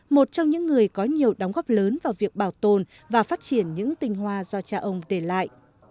một trong những người có nhiều đóng góp lớn vào việc bảo tồn và phát triển những tinh hoa do cha ông để lại